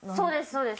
そうです